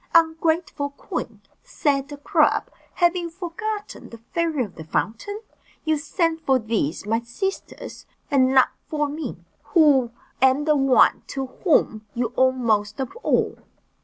"Ungrateful queen," said the crab, "have you forgotten the fairy of the fountain? You sent for these my sisters, and not for me, who am the one to whom you owed most of all."